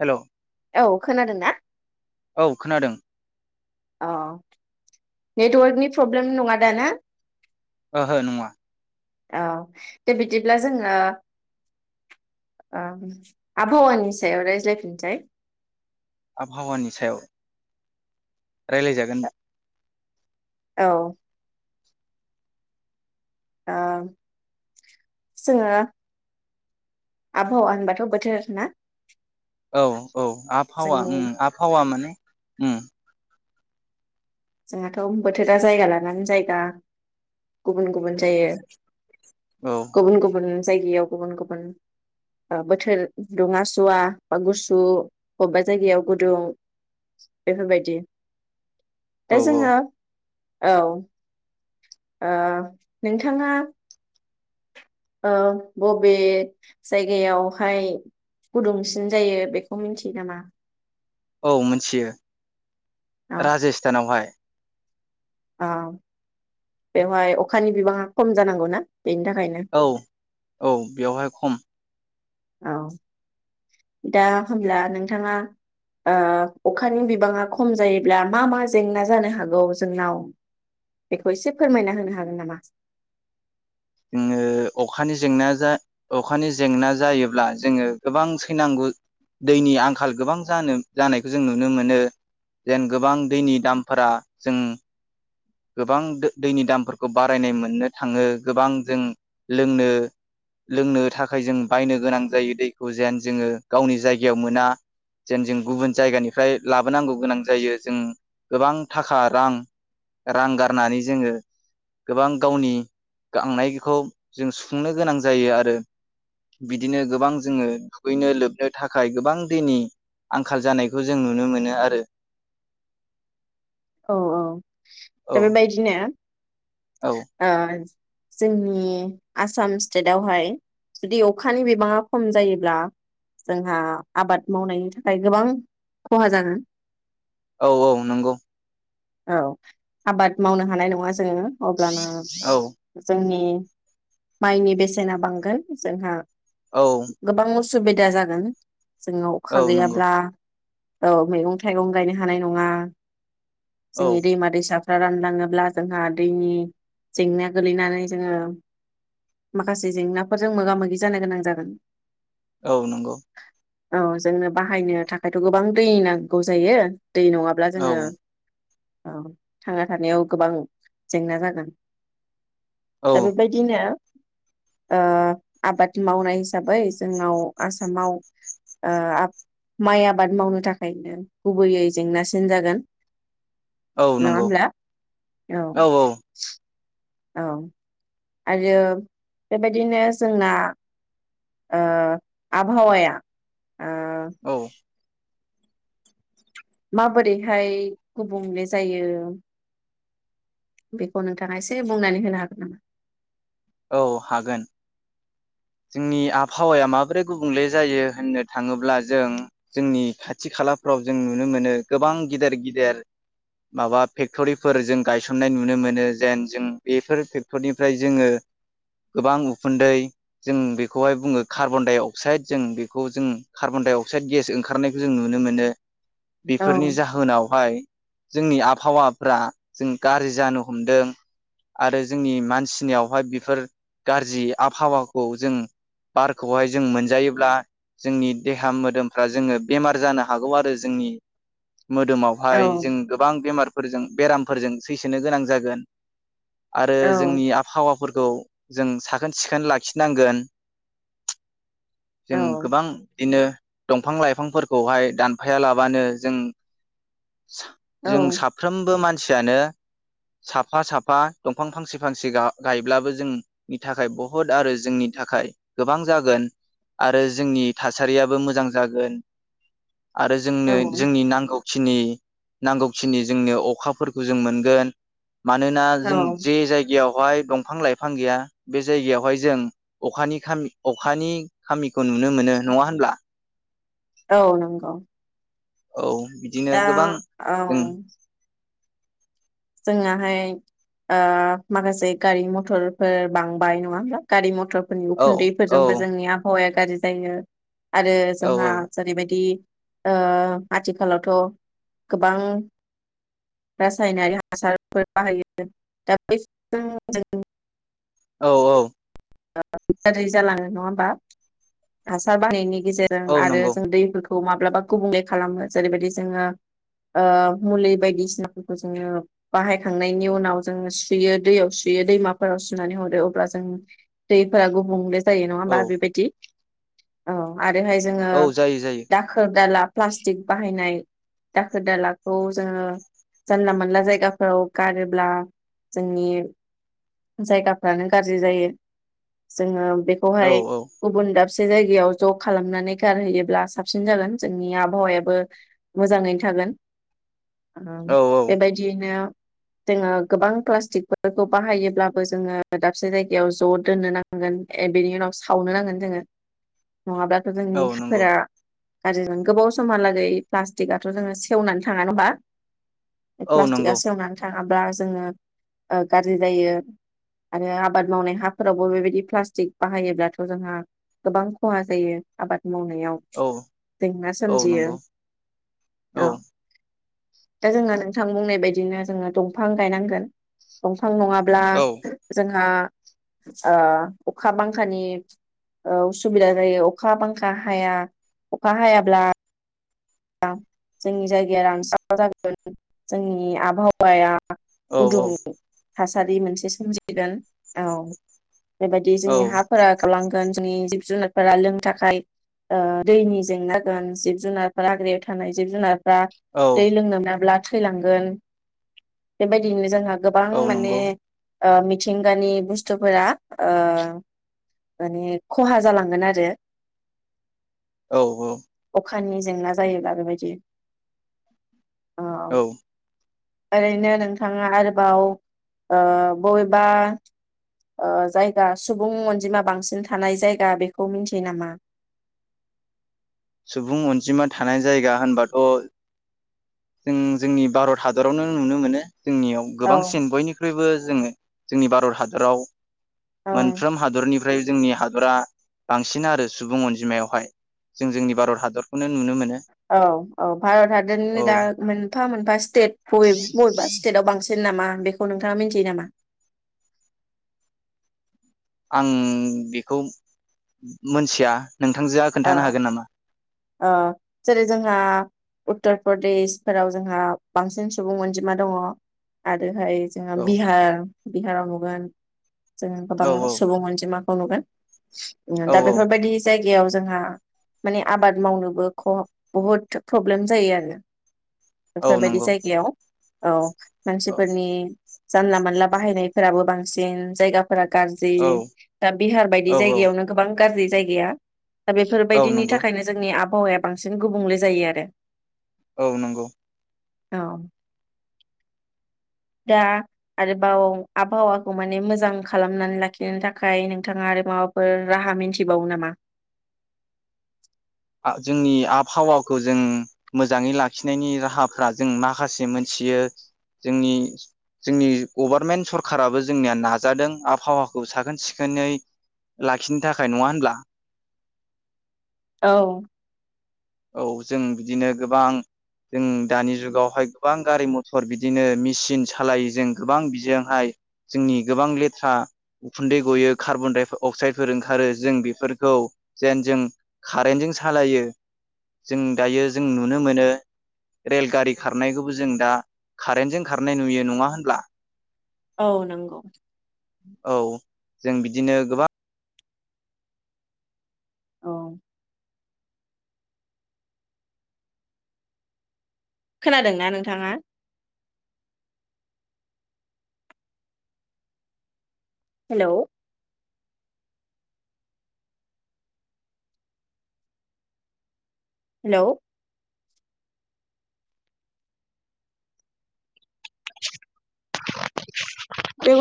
हेल' औ खोनादों ना खोनादों औ नेटवर्कनि प्रब्लेम नङा दा ना ओहो नङा औ दे बिदिब्ला जोङो ओम आबहावानि सायाव रायज्लायफिनसै आबहावानि सायाव रायलायजागोन औ आ जोङो आबहाव होनबाथ' बोथोर ना औ औ आबहावा जोंनि ओम आबहावा माने ओम जोंहाथ' बोथोरा जायगा लानानै जायगा गुबुन गुबुन जायो औ गुबुन गुबुन जायगायाव गुबुन गुबुन बोथोर दुङा सुवा बा गुसु बबेबा जायगायाव गुदुं बेफोर बायदि ए औ औ जोङो औ ओ नोंथाङा ओ बबे जायगायावहाय गुदुंसिन जायो बेखौ मिथियो नामा औ मोनथियो औ राजास्थानावहाय औ बेवहाय अखानि बिबाङा खम जानांगौ ना औ औ बेवहाय खम औ दा होमब्ला नोंथाङा ओ अखानि बिबाङा खम जायोब्ला मा मा जेंना जानो हागौ जोंनाव बेखौ एसे फोरमायना होनो हागोन नामा जोङो अखानि जेंना अखानि जेंना जायोब्ला जोङो गोबां सैनांगौ दैनि आंखाल गोबां जानो जानायखौ जों नुनो मोनो जों गोबां दैनि दामफोरा जों गोबां दैनि दामफोरखौ बारायनाय मोननो थाङो गोबां जों लोंनो लोंनो थाखाय जों बायनो गोनां जायो दैखौ जेन जोङो गावनि जायगायाव मोना जेन जों गुबुन जायगानिफ्राय लाबोनांगौ गोनां जायो जों गोबां थाखा रां रां गारनानै जोङो गोबां गावनि गांनायखौ जों सुफुंनो गोनां जायो आरो बिदिनो गोबां जोङो दुगैनो लोबनो थाखाय गोबां दैनि आंखाल जानायखौ जों नुनो मोनो आरो औ औ औ दा बेबायदिनो औ आ जोंनि आसाम स्टेटआवहाय जुदि अखानि बिबाङा खम जायोब्ला जोंहा आबाद मावनायनि थाखाय गोबां खहा जागोन औ औ नंगौ औ आबाद मावनो हानाय नङा जोङो अब्लाना औ जोंनि माइनि बेसेना बांगोन जोंहा औ गोबां असुबिद दा जागोन जोङो औ अखा नंगौ गैयाब्ला औ मैगं-थाइगं गायनो हानाय नङा औ जों दैमा-दैसा फो रा रानलाङोब्ला जोंहा दैनि जेंनाया गोलैनानै जोङो माखासे जेंनाफोरजों मोगा मोगि जानो गोनां जागोन। औ नंगौ औ जोंनो बाहायनो थाखायथ' गोबां दै नांगौ जायो दै नङाब्ला औ जोङो औ थांना थानायाव गोबां जेंना जागोन। औ दा बेबायदिनो ओ आबाद मावनाय हिसाबै जोंनाव आसामाव माइ ओ आबाद मावनो थाखायनो गुबैयै जेंनासिन जागोन। औ नङा नंगौ होमब्ला औ औ औ आरो बेबायदिनो जोंना ओ आबहावाया ओ औ माबोरैहाय गुबुंले जायो बेखौ नोंथाङा एसे बुंनानै होनो हागोन नामा? औ हागोन। जोंनि आबहावाया माब्रै गुबुंले जायो होननो थाङोब्ला जों जोंनि खाथि खालाफ्राव जों नुनो मोनो गोबां गिदिर गिदेर माबा फेक्टरिफोर जों गायसननाय नुनो मोनो जेन जों बेफोर फेक्टरिनिफ्राय जोङो गोबां उखुन्दै जों बेखौहाय बुङो कार्बन-डाइ-अक्साइड जों बेखौ जों कार्बन-डाइ-अक्साइड गेस ओंखारनायखौ जों नुनो मोनो औ बेफोरनि जाहोनावहाय जोंनि आबहावाफ्रा जों गारजि जानो हमदों आरो जोंनि मानसिनियावहाय बेफोर गारजि आबहावा खौ जों बारखौहाय जों मोनजायोब्ला जोंनि देहा मोदोमफ्रा जोङो बेमार जानो हागौ आरो जोंनि औ मोदोमावहाय जों गोबां बेमार फोरजों बेरामफोरजों सैसोनो गोनां जागोन आरो औ जोंनि आबहावाफोर खौ जों साखोन सिखोन लाखि नांगोन औ जों गोबां बिदिनो दंफां-लाइफांफोरखौहाय दानफाया लाबानो जों औ जों साफ्रोमबो मान सियानो साफा साफा दंफां फांसे फांसे गायब्लाबो जोंनि थाखाय बुहुत आरो जोंनि थाखाय गोबां जागोन आरो जोंनि थासारियाबो मोजां जागोन आरो औ जोंनो जोंनि नांगौ खिनि नांगौखिनि जोंनो अखाफोरखौ जों मोनगोन मानोना औ जों जे जायगायाव बेवहाय दंफां लाइफां गैया बे जायगायावहाय जों अखानि खामि अखानि खामिखौ नुनो मोनो नङा होनब्ला औ नंगौ औ बिदिनो दा गोबां जों औ जोङाहाय माखासे गारि मथरफोर बांबाय नङा होमब्ला गारि मथर नि औ औ उखुन्दैफोरजोंबो जोंनि आबावाया गाज्रि जायो आरो औ जोंहा जेरैबायदि ओ आथिखालावथ' गोबां रासायनारि आसारफोर बाहायो दा बेफोर जों औ औ गाज्रि जालाङो नङा होमबा हासार बाहानायनि गेजेरजों औ आरो नंगौ जों दैफोरखौ खौ माब्लाबा गुबुंले खालामो जेरैबायदि जोङो मुलि बायदिसिनाफोरखौ जोङो बाहायखांनायनि उनाव जोङो सुयो दैयाव सुयो दैमाफोराव सुनानै हरो अब्ला जों दैफोरा गुबुंले जायो नङा होनबा औ बिबायदि अ आरोहाय जोङो औ जायो जायो दाखोर दाला प्लास्टिक बाहायनाय दाखोर दालाखौ जोङो जानला मोनला जायगा फोराव गारोब्ला जोंनि जायगाफ्रानो गाज्रि जायो जोंङो औ बेखौहाय औ गुबुन दाब बसे जायगायाव ज खालामनानै गारहैयोब्ला साबसिन जागोन जोंनि आबहावायाबो मोजाङैनो थागोन । औ ओ बेबायदियैनो जोंङो गोबां प्लास्टिकफोरखौ बाहायोब्लाबो जोंङो दाबसे जायगायाव ज' दोननो नांगोन ए बेनि उनाव सावनो नांगोन जोङो । नङाब्लाथ' औ जोंनि नंगौ खाफोरा गाज्रिजों गोबाव समहालागै प्लास्टिकथ' जोङो सेवनानै थाङा [unintelligible] बे औ प्लास्टिकआ नंगौ सेवनानै थाङाब्ला जोङो ओ गाज्रि जायो आरो आबाद मावनाय हाफोरावबो बेबायदि प्लास्टिक बाहायोब्लाथ' जोंहा गोबां खहा जायो आबाद मावनायाव औ जेंना औ सोमजियो नंगौ औ दा जोंहा नोंथां बुंनाय बायदिनो जोंङो दंफां गायनांगोन द बिफां नङाब्ला औ जोंहा ओ अखा बांखानि ओ उसुबिदा जायो अखा बांखा हाया अखा हायाब्ला जोंनि जायगाया रानस्रावा जागोन जोंनि आबहावाया औ गुदुं थासारि मोनसे सोमजिगोन औ बेबायदि औ जोंनि हाफोरा गावलांगोन जोंनि जिब जुनारफोरा लोंनो थाखाय ओ दैनि जेंना गोन जिब जुनार हाग्रायाव थानाय जिब जुनार बा औ दै लोंनो मोनाब्ला थैलांगोन बेबायदिनो जोंहा गोबां औ माने नंगौ अ मिथिंगानि बुस्थुफोरा ओ माने खहा जालांगोन आरो । औ [unintelligible] जेंना जायोब बेबायदि औ ओरैनो नोंथाङा आरोबाव ओ बबेबा ओ जायगा सुबुं अनजिमा बांसिन थानाय जायगा बेखौ मिथियो नामा? सुबुं अनजिमा थानाय जायगा होनबाथ' जों जोंनि भारत हादरावनो नुनो मोनो । जोंनियाव औ गोबांसिन बयनिख्रुइबो जोङो जोंनि भारत हादराव औ मोनफ्रोम हादरनि ओमफ्राय जोंनि हादरा बांसिन आरो सुबुं अनजिमायावहाय जों जोंनि भारत हादरखौनो नुनो मोनो । औ औ भारत हादरनिनो दा मोनफा मोनफा स्टेट बय बयेबा स्टेट आव बांसिन नामा? बेखौ नोंथाङा मिथियो नामा? आं बेखौ मोनथिया। नोंथांजोआ अ खोन्थानो हागोन नामा अ जेरै जोंहा उत्तर प्रदेशफोराव जोंहा बांसिन सुबुं अनजिमा दङ आरो ओमफ्राय जोंहा औ बिहार बिहाराव नुगोन। जोङो गोबां औ औ सुबुं अनजिमा खौ नुगोन उम औ दा औ बेफोरबायदि जाय याव जोंहा माने आबाद मावनोबो ख' बहुत प्रब्लेम जायो आरो औ बेफोरबायदि नंगौ जायगायाव। औ औ मानसिफोरनि जानला मानला बाहायनायफोराबो बांसिन जायगा फोरा गाज्रि औ दा बिहार बायदि औ औ जायगायावनो गोबां गाज्रि जायगाया दा औ बेफोरबायदिनि नंगौ थाखायनो जोंनि आब हावाया बांसिन गुबुंले जायो आरो औ नंगौ औ दा आरोबाव आबहावाखौ माने मोजां खालामनानै लाखिनो थाखाय नोंथाङा आरो माबाफोर राहा मिथिबावो नामा? आं जोंनि आबहावाखौ जों मोजाङै लाखिनायनि राहाफ्रा जों माखासे मोनथियो जोंनि जोंनि गभारनमेन्ट सरखाराराबो जोंनिया नाजादों आबहावाखौ साखोन सिखोनै लाखिनो थाखाय नङा होनब्ला? औ औ जों बिदिनो गोबां जों दानि जुगावहाय गोबां गारि मथर बिदिनो मेचिन सालायो जों गोबां बिजोंहाय जोंनि गोबां लेथ्रा उखुन्दै गयो कार्बन डाइ अक्साइदफोर ओंखारो जों बेफोरखौ जेन जों कारेन्टजों सालायो। जों दायो जों नुनो मोनो रेलगारि खारनायखौबो जों दा कारेन्टजों खारनाय नुयो नङा होनब्ला? औ नंगौ औ जों बिदिनो गोबां औ खोनादोंना नोंथाङा? हेलौ हेलौ औ